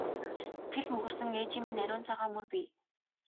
Сэтгэлд мөнхөрсөн ээжийн минь ариун цагаан мөр бий!